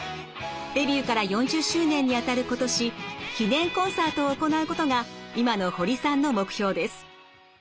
デビューから４０周年にあたる今年記念コンサートを行うことが今の堀さんの目標です。